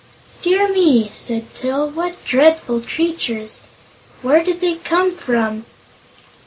"Dear me!" said Til; "what dreadful creatures. Where did they come from?"